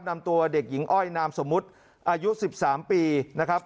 นำตัวเด็กหญิงอ้อยนามสมมุติอายุ๑๓ปีนะครับ